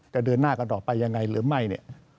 เดินหน้ากันต่อไปยังไงหรือไม่เนี่ย